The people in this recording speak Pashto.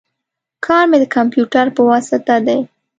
کار می د کمپیوټر په واسطه دی